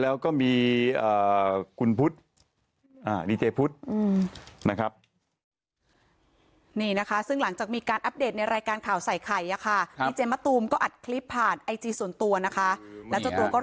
แล้วก็สัมผัสใกล้ชิดคุณพีเค